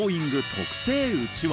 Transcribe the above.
特製うちわ。